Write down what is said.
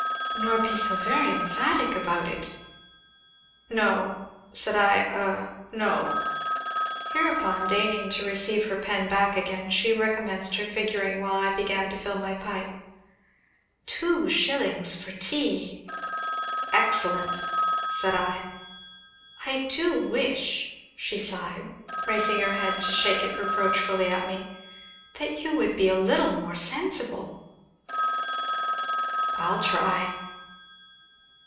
"Nor be so very emphatic about it." "No," said I, "er no." Hereupon, deigning to receive her pen back again, she recommenced her figuring, while I began to fill my pipe. "Two shillings for tea!" "Excellent!" said I. "I do wish," she sighed, raising her head to shake it reproachfully at me, "that you would be a little more sensible." "I'll try."